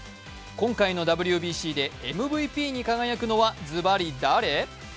今回のＷＢＣでＭＶＰに輝くのはズバリ誰？